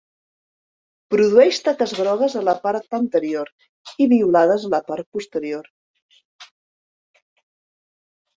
Produeix taques grogues a la part anterior i violades a la part posterior.